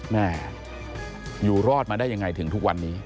แม่อยู่รอดมาได้ยังไงถึงทุกวันนี้